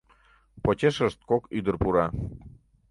Почешышт кок ӱдыр пура.